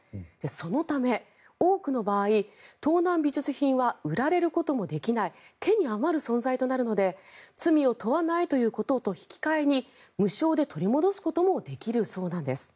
そのため、多くの場合盗難美術品は売られることもできない手に余る存在となるので罪を問わないということと引き換えに無償で取り戻すこともできるそうなんです。